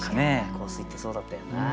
香水ってそうだったよな。